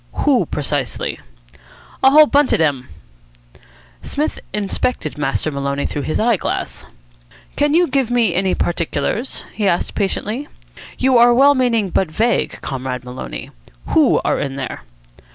"Who, precisely?" "A whole bunch of dem." Psmith inspected Master Maloney through his eye glass. "Can you give me any particulars?" he asked patiently. "You are well meaning, but vague, Comrade Maloney. Who are in there?"